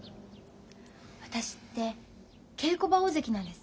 私って稽古場大関なんです。